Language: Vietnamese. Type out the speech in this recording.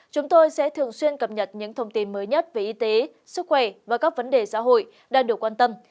chúng tôi sẽ thường xuyên cập nhật những thông tin mới nhất về y tế sức khỏe và các vấn đề xã hội đang được quan tâm